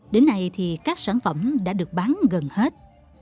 đến nay thì các sản phẩm đã được bán gần hết